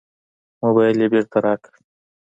موبایل یې بېرته راکړ.